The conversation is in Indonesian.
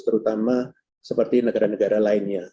terutama seperti negara negara lainnya